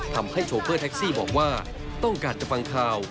โชเฟอร์แท็กซี่บอกว่าต้องการจะฟังข่าว